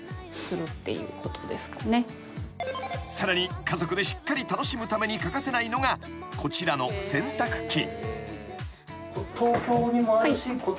［さらに家族でしっかり楽しむために欠かせないのがこちらの洗濯機］